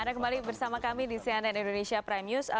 anda kembali bersama kami di cnn indonesia prime news